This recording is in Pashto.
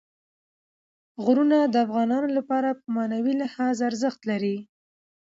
غرونه د افغانانو لپاره په معنوي لحاظ ارزښت لري.